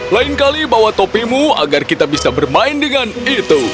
lain kali bawa topimu agar kita bisa bermain dengan itu